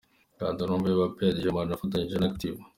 Kanda hano wumve 'Bape' ya Dj Marnaud afatanyije na Active.